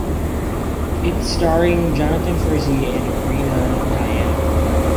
It starring Jonathan Frizzy and Rina Diana.